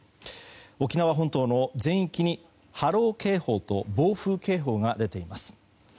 沖縄本島の全域に波浪警報と暴風警報が出ています。